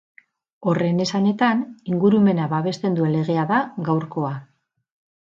Horren esanetan, ingurumena babesten duen legea da gaurkoa.